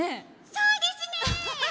そうですね！